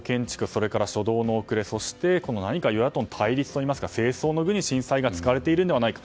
それから初動の遅れそして、何か与野党の対立といいますか政争の道具に震災が使われているのではないか。